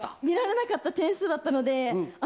見られなかった点数だったので。